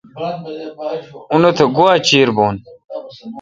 اونتھ گوا چیر بھون۔